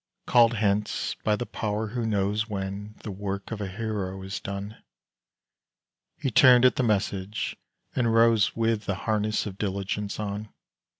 Called hence by the Power who knows When the work of a hero is done, He turned at the message, and rose With the harness of diligence on.